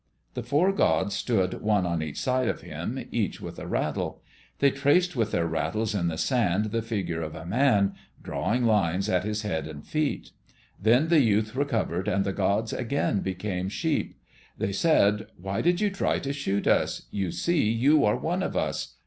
The four gods stood one on each side of him, each with a rattle. They traced with their rattles in the sand the figure of a man, drawing lines at his head and feet. Then the youth recovered and the gods again became sheep. They said, "Why did you try to shoot us? You see you are one of us."